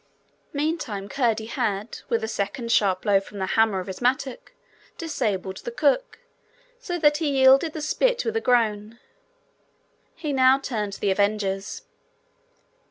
Meantime Curdie had, with a second sharp blow from the hammer of his mattock, disabled the cook, so that he yielded the spit with a groan. He now turned to the avengers.